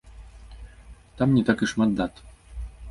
Там не так і шмат дат.